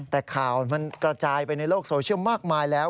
แต่ข่าวมันกระจายไปในโลกโซเชียลมากมายแล้ว